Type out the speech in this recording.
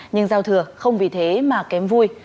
nhưng giao thừa không vì thế mà kém vui